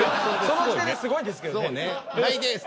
その時点ですごいんですけどね。